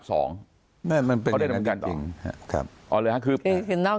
ดับ๒เงินมันเป็นกันต้องครับครับอ้าวเลยครึ่งคือคือนอก